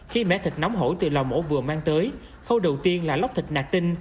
khi mẻ thịt nóng hổi từ lò mổ vừa mang tới khâu đầu tiên là lóc thịt nạc tinh